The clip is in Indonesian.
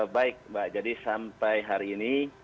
baik mbak jadi sampai hari ini